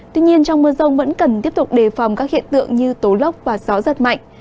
tuy nhiên trong mưa rông vẫn cần tiếp tục đề phòng các hiện tượng như tố lốc và gió giật mạnh